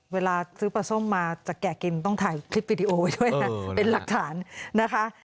เวลาซื้อปลาส้มมาจะแกะกินต้องถ่ายคลิปวิดีโอไว้ด้วยนะเป็นหลักฐานนะคะ